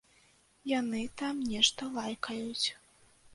Яны там нешта лайкаюць.